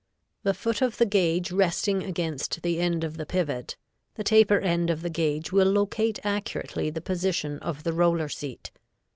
The foot of the gauge resting against the end of the pivot, the taper end of the gauge will locate accurately the position of the roller seat.